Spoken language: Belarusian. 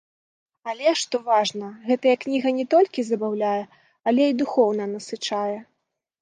Але, што важна, гэтая кніга не толькі забаўляе, але і духоўна насычае.